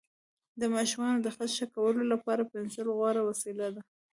د ماشومانو د خط ښه کولو لپاره پنسل غوره وسیله ده.